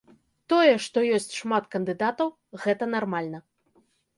Тое, што ёсць шмат кандыдатаў, гэта нармальна.